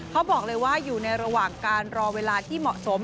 เขาบอกเลยว่าอยู่ในระหว่างการรอเวลาที่เหมาะสม